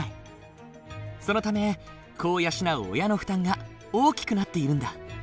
そのため子を養う親の負担が大きくなっているんだ。